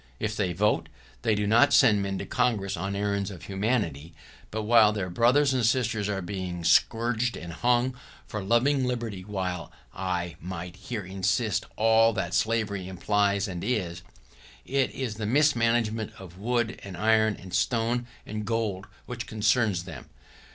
If they vote, they do not send men to Congress on errands of humanity; but while their brothers and sisters are being scourged and hung for loving liberty, while — I might here insert all that slavery implies and is — it is the mismanagement of wood and iron and stone and gold which concerns them.